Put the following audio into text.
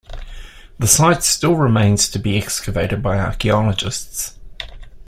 The site still remains to be excavated by archaeologists.